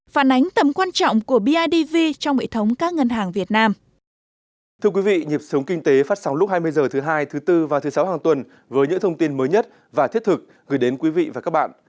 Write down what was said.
phản ánh tầm quan trọng của bidv trong hệ thống các ngân hàng việt nam